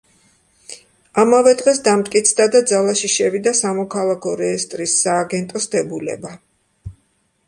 ამავე დღეს დამტკიცდა და ძალაში შევიდა სამოქალაქო რეესტრის სააგენტოს დებულება.